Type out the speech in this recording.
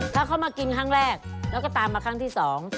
ถ้าเขามากินครั้งแรกแล้วก็ตามมาครั้งที่สอง